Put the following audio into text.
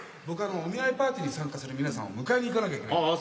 僕あのお見合いパーティーに参加する皆さんを迎えに行かなきゃいけない。